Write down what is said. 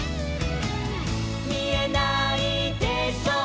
「みえないでしょう